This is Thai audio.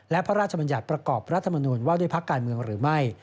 และพระราชบัญญัติประกอบรัฐมนุนว่าด้วยพักการเมืองหรือไม่